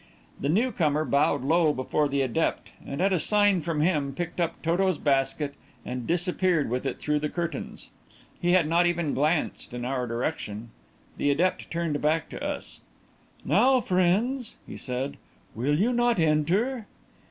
The newcomer bowed low before the adept, and, at a sign from him, picked up Toto's basket and disappeared with it through the curtains. He had not even glanced in our direction. The adept turned back to us. "Now, friends," he said, "will you not enter?"